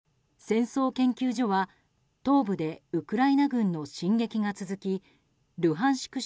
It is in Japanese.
戦争研究所は東部でウクライナ軍の進撃が続きルハンシク